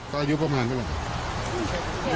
ตอนอายุประมาณเมื่อไหร่